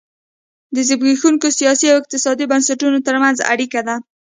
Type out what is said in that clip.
د زبېښونکو سیاسي او اقتصادي بنسټونو ترمنځ اړیکه ده.